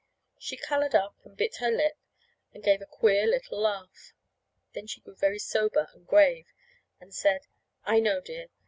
She colored up and bit her lip, and gave a queer little laugh. Then she grew very sober and grave, and said: "I know, dear.